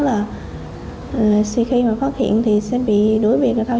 là suy khi mà phát hiện thì sẽ bị đối biệt rồi thôi